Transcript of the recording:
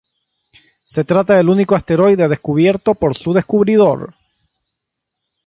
Se trata del único asteroide descubierto por su descubridor.